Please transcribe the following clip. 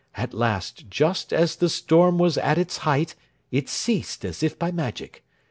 At last, just as the storm was at its height, it ceased, as if by magic.